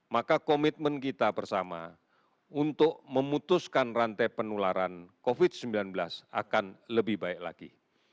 maka komitmen kita bersama untuk memutuskan rantai penularan covid sembilan belas akan lebih baik lagi